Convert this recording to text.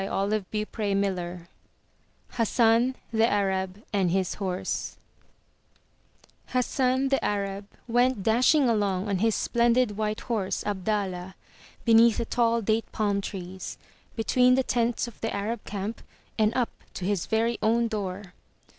307 M Y BOOK HOUSE HASSAN, THE ARAB, AND HIS HORSE Hassan, the Arab, went dashing along on his splendid white horse, Abdallah, beneath the tall date palm trees, between the tents of the Arab camp, and up to his very own door.